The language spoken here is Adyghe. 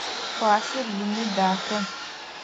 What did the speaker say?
Классыр ины, дахэ.